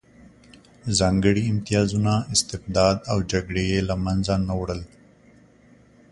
ځانګړي امتیازونه، استبداد او جګړې یې له منځه نه وړل